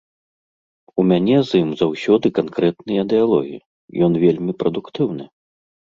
У мяне з ім заўсёды канкрэтныя дыялогі, ён вельмі прадуктыўны.